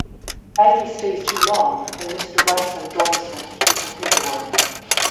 Aggie stays too long and Mister Reisman joins them to do some paperwork.